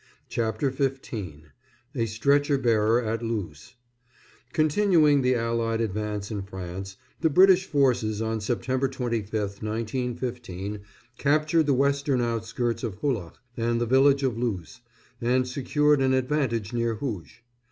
CHAPTER XV A STRETCHER BEARER AT LOOS [Continuing the Allied advance in France, the British forces on September 25th, 1915, captured the western outskirts of Hulloch and the village of Loos, and secured an advantage near Hooge.